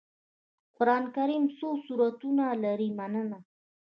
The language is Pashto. قرآن کريم څو سورتونه لري مننه